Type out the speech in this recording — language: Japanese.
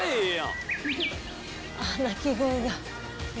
鳴き声が。